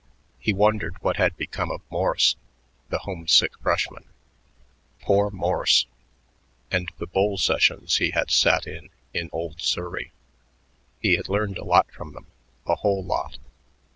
He wondered what had become of Morse, the homesick freshman. Poor Morse.... And the bull sessions he had sat in in old Surrey. He had learned a lot from them, a whole lot....